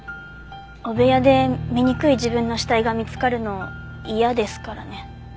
汚部屋で醜い自分の死体が見つかるの嫌ですからね。